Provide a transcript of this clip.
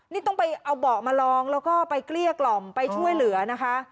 นี่ต้องไปเอาเบาะมาลองแล้วก็ไปเกลี้ยกล่อมไปช่วยเหลือนะคะ